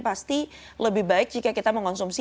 pasti lebih baik jika kita mengonsumsi